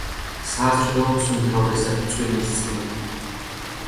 საზრდოობს უმთავრესად წვიმის წყლით.